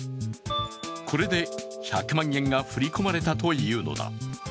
これで１００万円が振り込まれたというのだ。